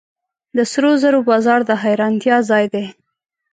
د سرو زرو بازار د حیرانتیا ځای دی.